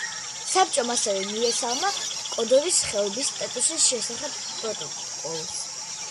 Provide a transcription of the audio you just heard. საბჭომ, ასევე მიესალმა კოდორის ხეობის სტატუსის შესახებ პროტოკოლს.